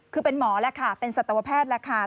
คือเป็นหมอแล้วค่ะเป็นสัตวแพทย์แล้วค่ะ